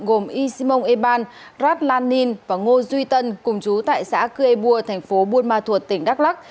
gồm y simong eban rat lan ninh và ngô duy tân cùng chú tại xã cưê bua tp buôn ma thuột tỉnh đắk lắc